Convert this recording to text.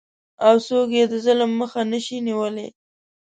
او څوک یې د ظلم مخه نشي نیولی؟